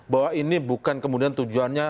bahwa ini bukan kemudian tujuannya